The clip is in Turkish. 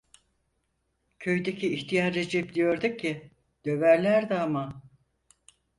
Köydeki ihtiyar Recep diyordu ki: "Döverlerdi ama".